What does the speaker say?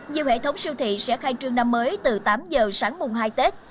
nhiều hệ thống siêu thị sẽ khai trương năm mới từ tám giờ sáng mùng hai tết